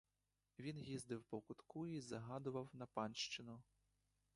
Він їздив по кутку й загадував на панщину.